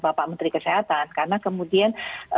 bapak menteri kesehatan karena kemudian